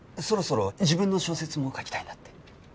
そろそろ自分の小説も書きたいなって。